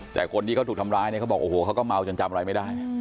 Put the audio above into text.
แต่คนที่เขาถูกทำร้ายเนี่ยเขาบอกโอ้โหเขาก็เมาจนจำอะไรไม่ได้